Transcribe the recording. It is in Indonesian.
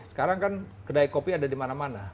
sekarang kan kedai kopi ada di mana mana